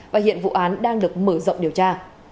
và hiện vụ án đang được mở rộng điều tra